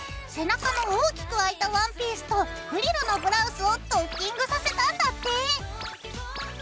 背中の大きくあいたワンピースとフリルのブラウスをドッキングさせたんだって。